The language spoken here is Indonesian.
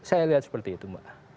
saya lihat seperti itu mbak